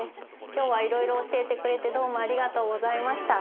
今日はいろいろ教えてくれてどうもありがとうございました。